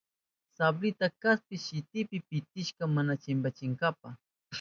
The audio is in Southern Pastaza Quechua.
Sablinta kaspi sikipi pitichishka mana chinkachinanpa.